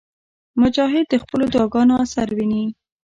مجاهد د خپلو دعاګانو اثر ویني.